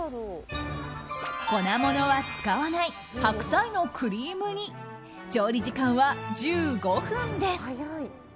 粉ものは使わない白菜のクリーム煮調理時間は１５分です。